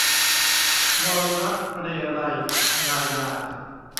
รอยรักเรไร - นายา